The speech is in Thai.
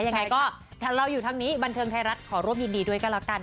ยังไงก็ถ้าเราอยู่ทางนี้บันเทิงไทยรัฐขอร่วมยินดีด้วยก็แล้วกัน